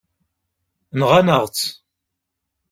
Nɣan-aɣ-tt.